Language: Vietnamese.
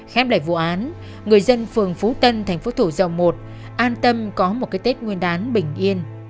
khép lại vụ án người dân phường phú tân thành phố thủ dầu một an tâm có một cái tết nguyên đán bình yên